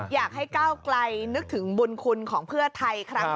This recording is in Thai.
อยากให้ก้าวไกลนึกถึงบุญคุณของเพื่อไทยครั้งนี้